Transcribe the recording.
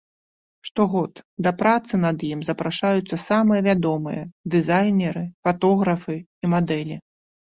Штогод да працы над ім запрашаюцца самыя вядомыя дызайнеры, фатографы і мадэлі.